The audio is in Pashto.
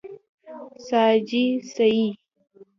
سا چې سي